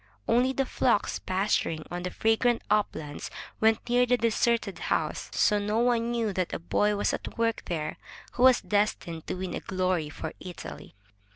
Only the flocks pasturing on the fragrant uplands went near the deserted house, so no one knew that a boy was at work there who was destined to win glory for Italy.